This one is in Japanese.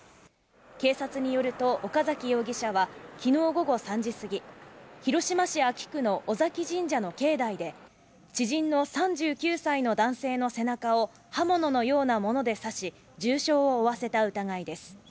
警察によると岡崎容疑者は昨日午後３時過ぎ、広島市安芸区の尾崎神社の境内で知人の３９歳の男性の背中を刃物のようなもので刺し、重傷を負わせた疑いです。